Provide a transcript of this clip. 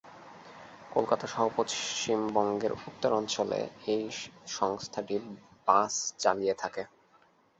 কলকাতা সহ পশ্চিমবঙ্গের উত্তরাঞ্চলে এই সংস্থাটি বাস চালিয়ে থাকে।